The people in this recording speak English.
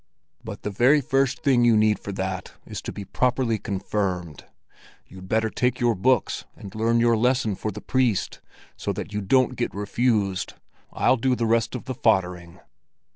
"But the very first thing you need for that is to be properly confirmed. You'd better take your books and learn your lesson for the priest, so that you don't get refused! I'll do the rest of the foddering."